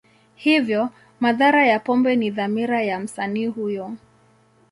Hivyo, madhara ya pombe ni dhamira ya msanii huyo.